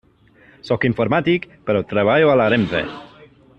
Sóc informàtic, però treballo a la RENFE.